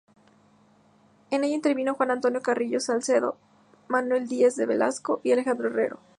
En ella intervinieron Juan Antonio Carrillo Salcedo, Manuel Díez de Velasco y Alejandro Herrero.